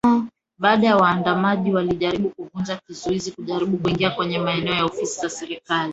baadhi ya waandamanaji walijaribu kuvunja kizuizi kujaribu kuingia kwenye maeneo ya ofisi za serikali